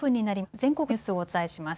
全国のニュースをお伝えします。